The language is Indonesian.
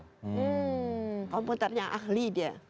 hmm komputernya ahli dia